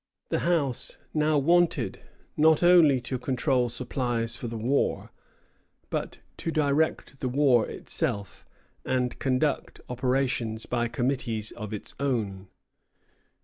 The House now wanted, not only to control supplies for the war, but to direct the war itself and conduct operations by committees of its own.